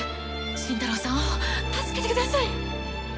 新太郎さんを助けてください！